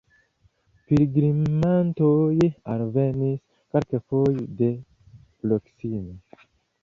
Pilgrimantoj alvenis, kelkfoje de proksime.